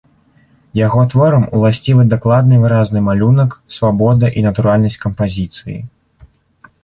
Яго творам уласцівы дакладны выразны малюнак, свабода і натуральнасць кампазіцыі.